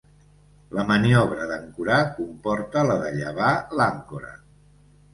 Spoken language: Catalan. La maniobra d'ancorar comporta la de llevar l'àncora.